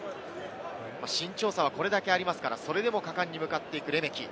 身長差はこれだけありますから、それでも果敢に向かっていくレメキ。